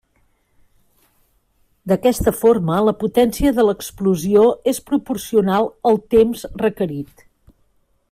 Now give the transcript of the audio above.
D'aquesta forma, la potència de l'explosió és proporcional al temps requerit.